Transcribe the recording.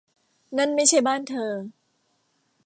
นั่นไม่ใช่บ้านเธอ